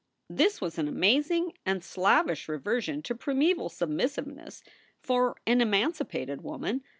This was an amazing and slavish reversion to primeval submissiveness for an emancipated woman.